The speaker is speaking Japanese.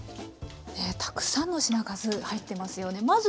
たくさんの品数入ってますよね。